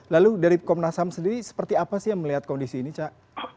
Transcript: lalu dari komnas ham sendiri seperti apa sih yang melihat kondisi ini cak